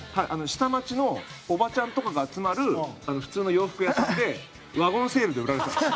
下町のおばちゃんとかが集まる普通の洋服屋さんでワゴンセールで売られてたんです。